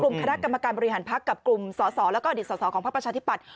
คณะกรรมการบริหารพักกับกลุ่มสอสอแล้วก็อดีตสอสอของพักประชาธิปัตย